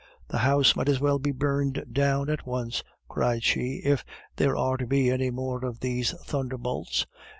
"The house might as well be burned down at once," cried she, "if there are to be any more of these thunderbolts!